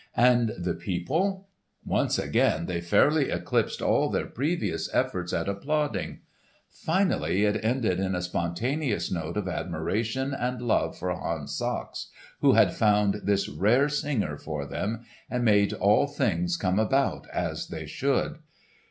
And the people? Once again they fairly eclipsed all their previous efforts at applauding. Finally it ended in a spontaneous note of admiration and love for Hans Sachs who had found this rare singer for them, and made all things come about as they should.